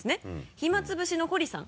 暇つぶしの堀さん。